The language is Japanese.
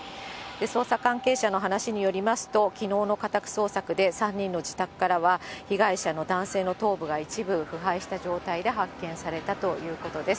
捜査関係者の話によりますと、きのうの家宅捜索で３人の自宅からは、被害者の男性の頭部が一部、腐敗した状態で発見されたということです。